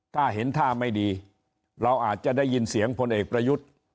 ถ้าเห็นท่าไม่ดีเราอาจจะได้ยินเสียงพลเอกประยุทธ์